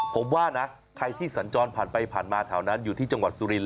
ผมว่านะใครที่สัญจรผ่านไปผ่านมาแถวนั้นอยู่ที่จังหวัดสุรินท